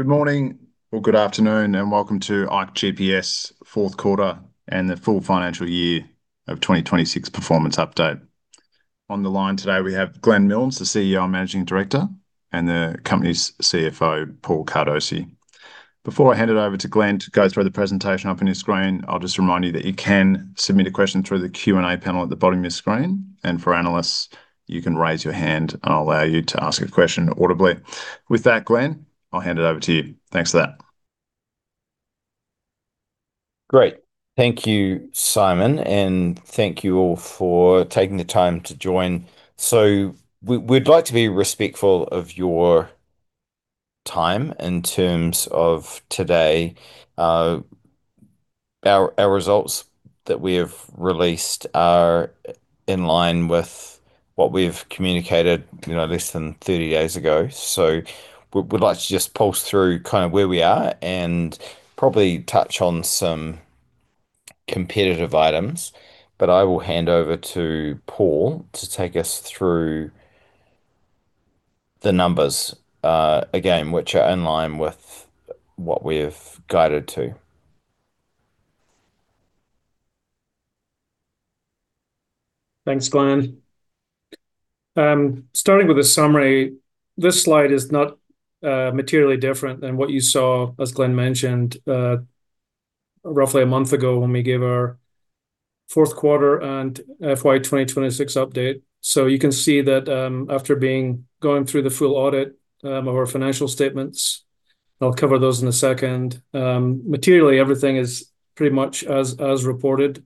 Good morning or good afternoon, welcome to ikeGPS fourth quarter and the full financial year of 2026 performance update. On the line today we have Glenn Milnes, the CEO and Managing Director, and the company's CFO, Paul Cardosi. Before I hand it over to Glenn to go through the presentation up on your screen, I'll just remind you that you can submit a question through the Q&A panel at the bottom of your screen. For analysts, you can raise your hand, and I'll allow you to ask a question audibly. With that, Glenn, I'll hand it over to you. Thanks for that. Great. Thank you, Simon, and thank you all for taking the time to join. We'd like to be respectful of your time in terms of today. Our results that we have released are in line with what we've communicated less than 30 days ago. We'd like to just pulse through where we are and probably touch on some competitive items. I will hand over to Paul to take us through the numbers, again, which are in line with what we've guided to. Thanks, Glenn. Starting with a summary, this slide is not materially different than what you saw, as Glenn mentioned, roughly a month ago when we gave our fourth quarter and FY 2026 update. You can see that after going through the full audit of our financial statements, I'll cover those in a second. Materially, everything is pretty much as reported.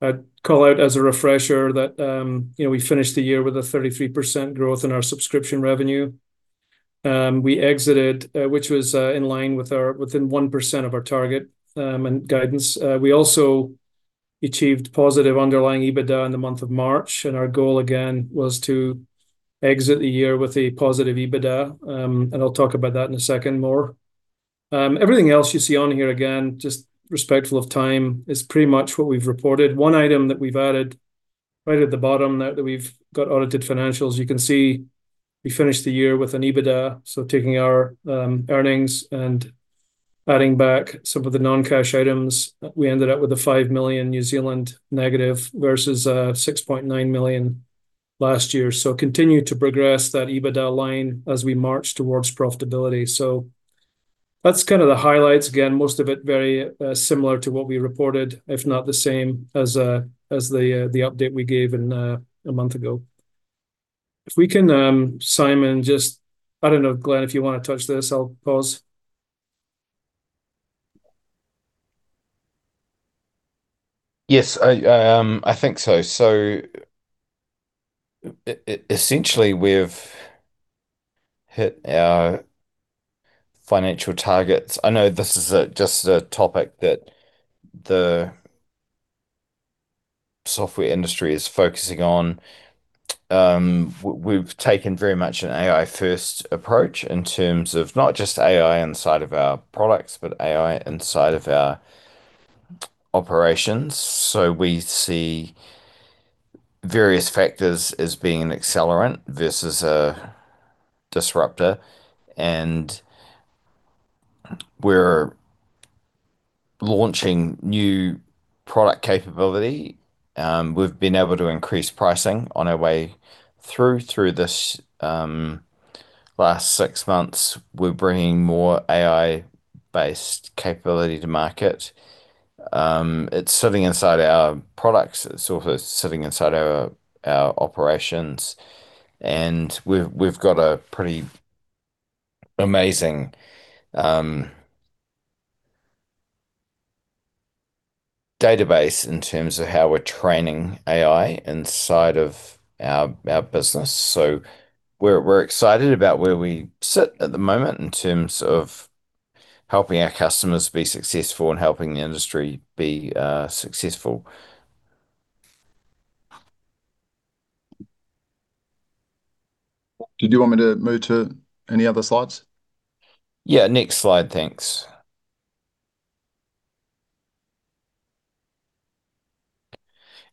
I'd call out as a refresher that we finished the year with a 33% growth in our subscription revenue. We exited, which was in line with our, within 1% of our target and guidance. We also achieved positive underlying EBITDA in the month of March, and our goal again was to exit the year with a positive EBITDA, and I'll talk about that in a second more. Everything else you see on here, again, just respectful of time, is pretty much what we've reported. One item that we've added right at the bottom, now that we've got audited financials, you can see we finished the year with an EBITDA. Taking our earnings and adding back some of the non-cash items, we ended up with a 5 million negative versus 6.9 million last year. Continue to progress that EBITDA line as we march towards profitability. That's kind of the highlights. Again, most of it very similar to what we reported, if not the same as the update we gave a month ago. If we can, Simon, just I don't know, Glenn, if you want to touch this, I'll pause. Yes. I think so. Essentially, we've hit our financial targets. I know this is just a topic that the software industry is focusing on. We've taken very much an AI-first approach in terms of not just AI inside of our products, but AI inside of our operations. We see various factors as being an accelerant versus a disruptor, and we're launching new product capability. We've been able to increase pricing on our way through this last six months. We're bringing more AI-based capability to market. It's sitting inside our products. It's also sitting inside our operations, and we've got a pretty amazing database in terms of how we're training AI inside of our business. We're excited about where we sit at the moment in terms of helping our customers be successful and helping the industry be successful. Did you want me to move to any other slides? Yeah. Next slide. Thanks.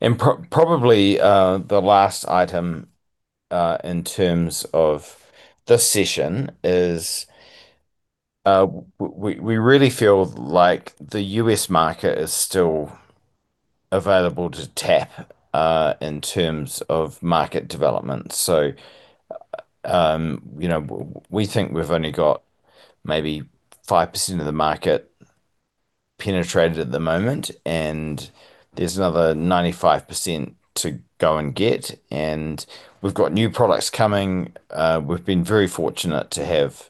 Probably the last item in terms of this session is we really feel like the U.S. market is still available to tap in terms of market development. We think we've only got maybe 5% of the market penetrated at the moment, and there's another 95% to go and get. We've got new products coming. We've been very fortunate to have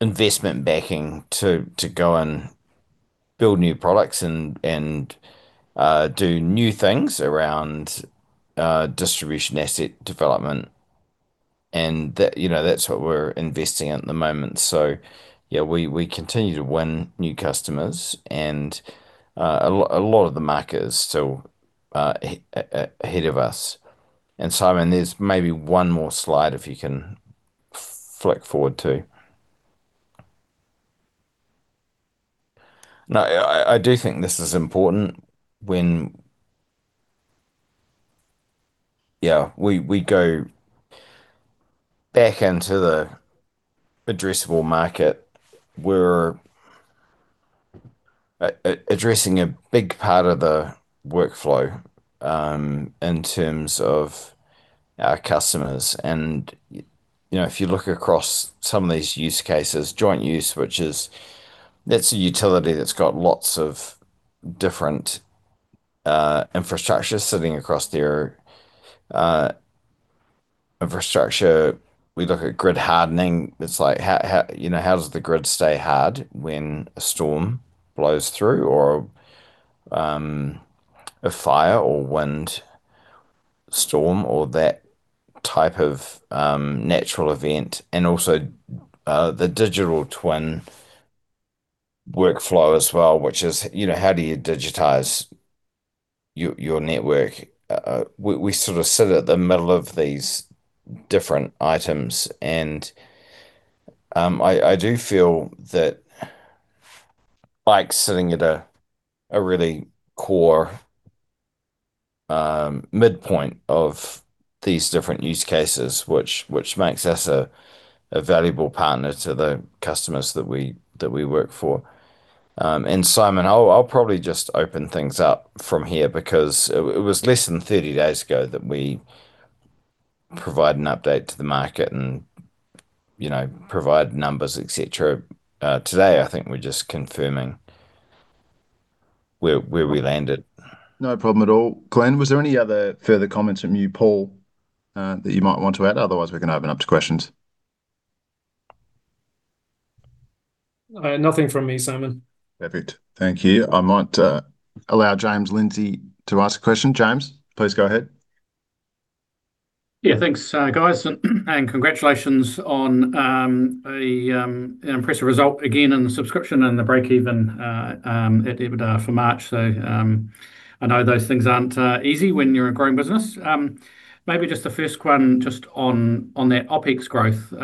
investment backing to go and build new products and do new things around distribution asset development, and that's what we're investing in at the moment. Yeah, we continue to win new customers, and a lot of the market is still ahead of us. Simon, there's maybe one more slide if you can flick forward too. No, I do think this is important when we go back into the addressable market. We're addressing a big part of the workflow in terms of our customers. If you look across some of these use cases, joint use, which is a utility that's got lots of different infrastructures sitting across their infrastructure. We look at grid hardening, it's like, how does the grid stay hard when a storm blows through or a fire or windstorm or that type of natural event? Also, the digital twin workflow as well, which is, how do you digitize your network? We sit at the middle of these different items and I do feel that like sitting at a really core midpoint of these different use cases, which makes us a valuable partner to the customers that we work for. Simon, I'll probably just open things up from here because it was less than 30 days ago that we provide an update to the market and provide numbers, et cetera. Today, I think we're just confirming where we landed. No problem at all. Glenn, was there any other further comments from you, Paul, that you might want to add? Otherwise, we can open up to questions. Nothing from me, Simon. Perfect. Thank you. I might allow James Lindsay to ask a question. James, please go ahead. Thanks guys, and congratulations on an impressive result again in the subscription and the break-even EBITDA for March. I know those things aren't easy when you're a growing business. Maybe just the first one just on that OpEx growth.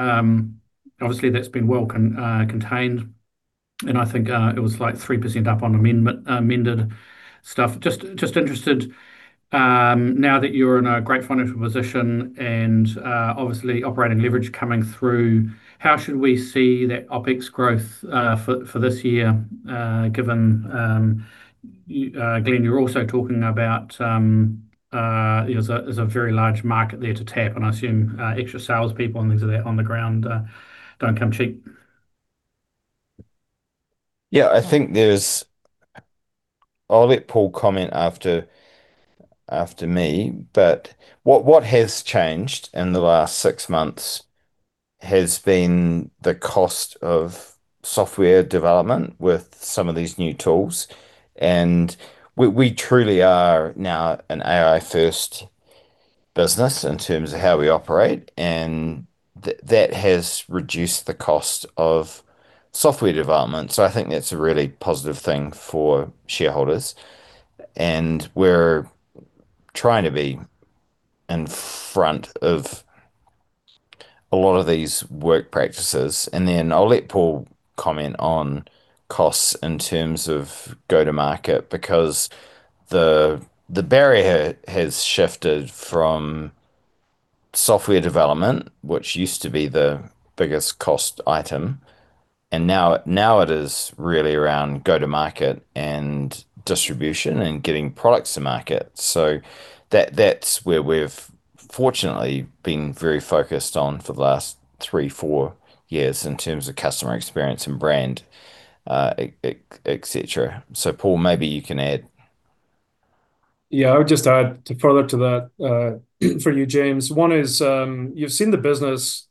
Obviously, that's been well contained, and I think it was like 3% up on amended stuff. Just interested, now that you're in a great financial position and obviously operating leverage coming through, how should we see that OpEx growth for this year, given, Glenn, you're also talking about there's a very large market there to tap and I assume extra salespeople and things of that on the ground don't come cheap. I'll let Paul comment after me. What has changed in the last six months has been the cost of software development with some of these new tools, and we truly are now an AI-first business in terms of how we operate, and that has reduced the cost of software development. I think that's a really positive thing for shareholders. We're trying to be in front of a lot of these work practices, then I'll let Paul comment on costs in terms of go-to-market, because the barrier has shifted from software development, which used to be the biggest cost item, now it is really around go-to-market and distribution and getting products to market. That's where we've fortunately been very focused on for the last three, four years in terms of customer experience and brand, et cetera. Paul, maybe you can add. Yeah, I would just add to further to that for you, James. One is, you've seen the business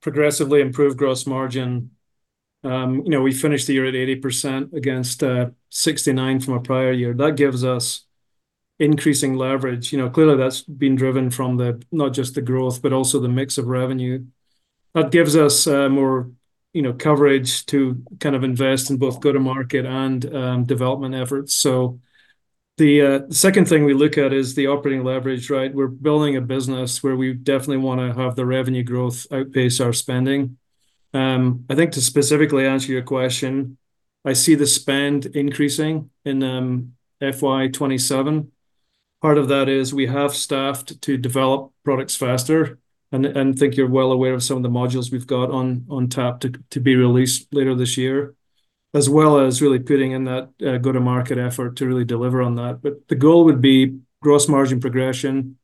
progressively improve gross margin. We finished the year at 80% against 69% from our prior year. That gives us increasing leverage. Clearly, that's been driven from not just the growth, but also the mix of revenue. That gives us more coverage to invest in both go-to-market and development efforts. The second thing we look at is the operating leverage, right? We're building a business where we definitely want to have the revenue growth outpace our spending. I think to specifically answer your question, I see the spend increasing in FY 2027. Part of that is we have staffed to develop products faster and think you're well aware of some of the modules we've got on tap to be released later this year. As well as really putting in that go-to-market effort to really deliver on that. The goal would be gross margin progression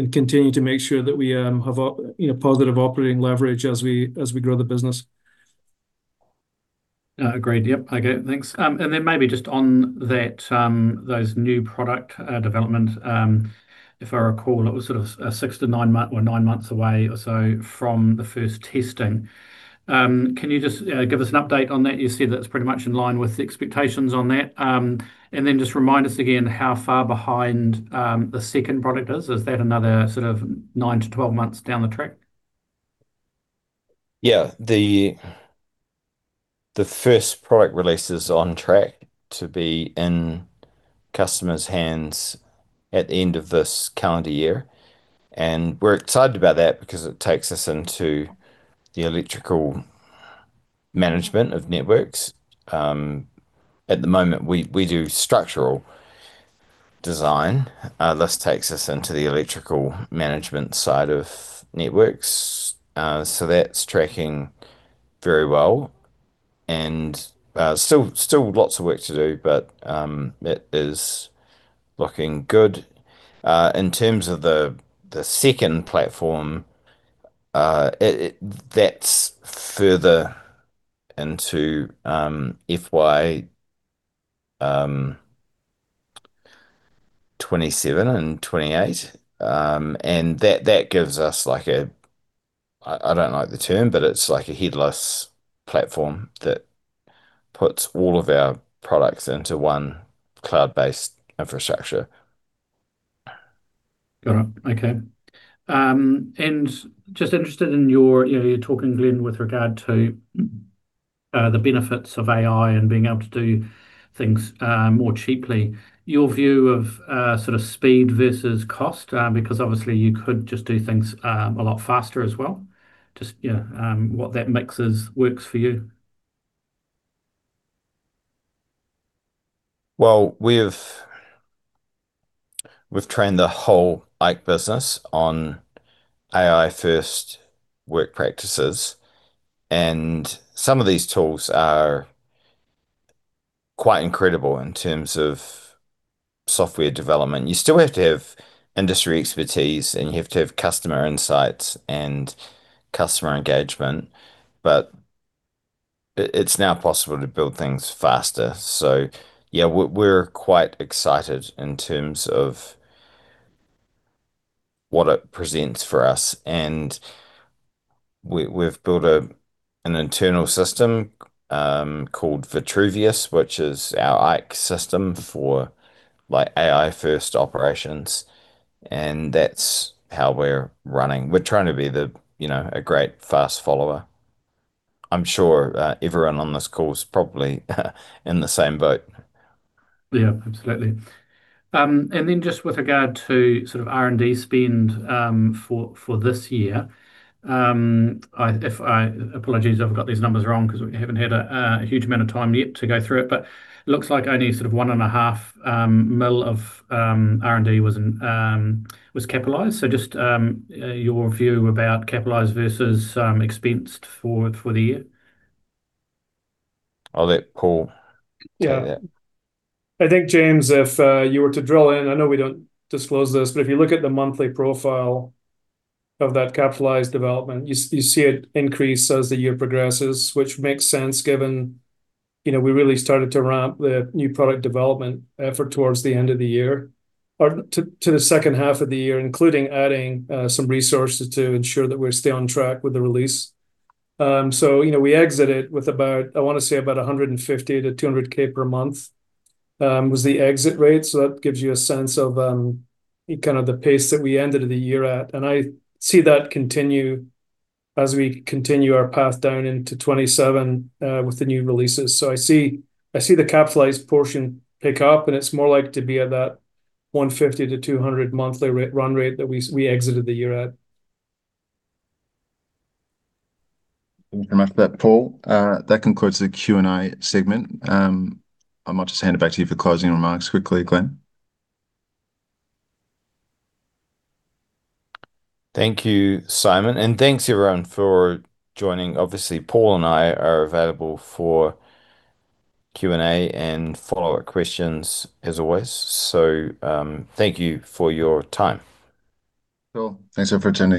and continue to make sure that we have positive operating leverage as we grow the business. Agreed. Yep. Okay, thanks. Maybe just on those new product development. If I recall, it was sort of six to nine months away or so from the first testing. Can you just give us an update on that? You said that's pretty much in line with the expectations on that. Just remind us again how far behind the second product is. Is that another 9 to 12 months down the track? Yeah. The first product release is on track to be customers' hands at the end of this calendar year. We're excited about that because it takes us into the electrical management of networks. At the moment, we do structural design. This takes us into the electrical management side of networks. That's tracking very well and still lots of work to do, but it is looking good. In terms of the second platform, that's further into FY 2027 and 2028. That gives us, I don't like the term, but it's like a headless platform that puts all of our products into one cloud-based infrastructure. Got it. Okay. Just interested in you're talking, Glenn, with regard to the benefits of AI and being able to do things more cheaply. Your view of sort of speed versus cost, because obviously you could just do things a lot faster as well. Just, what that mix is, works for you. We've trained the whole IKE business on AI-first work practices, and some of these tools are quite incredible in terms of software development. You still have to have industry expertise, and you have to have customer insights and customer engagement, but it's now possible to build things faster. Yeah, we're quite excited in terms of what it presents for us. We've built an internal system called Vitruvius, which is our IKE system for AI-first operations, and that's how we're running. We're trying to be a great fast follower. I'm sure everyone on this call is probably in the same boat. Yeah, absolutely. Just with regard to sort of R&D spend for this year. Apologies if I've got these numbers wrong because we haven't had a huge amount of time yet to go through it looks like only sort of one and a half mil of R&D was capitalized. Just your view about capitalized versus expensed for the year. I'll let Paul take that. Yeah. I think, James, if you were to drill in, I know we don't disclose this, but if you look at the monthly profile of that capitalized development, you see it increase as the year progresses, which makes sense given we really started to ramp the new product development effort towards the end of the year or to the second half of the year, including adding some resources to ensure that we stay on track with the release. We exited with about, I want to say about 150K-200K per month, was the exit rate. That gives you a sense of kind of the pace that we ended the year at. I see that continue as we continue our path down into 2027 with the new releases. I see the capitalized portion pick up and it's more likely to be at that 150-200 monthly run rate that we exited the year at. Thank you very much for that, Paul. That concludes the Q&A segment. I might just hand it back to you for closing remarks quickly, Glenn. Thank you, Simon. Thanks, everyone, for joining. Obviously, Paul and I are available for Q&A and follow-up questions as always. Thank you for your time. Cool. Thanks, everyone, for attending.